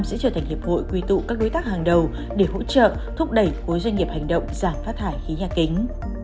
sẽ trở thành hiệp hội quy tụ các đối tác hàng đầu để hỗ trợ thúc đẩy khối doanh nghiệp hành động giảm phát thải khí nhà kính